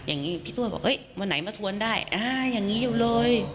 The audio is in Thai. อย่างนี้พี่ตัวบอกวันไหนมาทวนได้อย่างนี้อยู่เลย